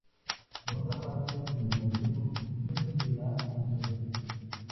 Por otra parte, el delantero esperó desde la suplencia.